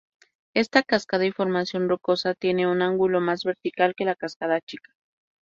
Esta cascada y formación rocosa tiene un ángulo más vertical que la cascada chica.